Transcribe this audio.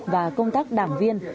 và công tác đảng viên